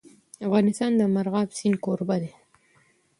افغانستان د مورغاب سیند کوربه دی.